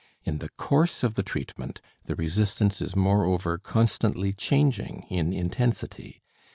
In the course of the treatment, the resistance is moreover constantly changing in intensity.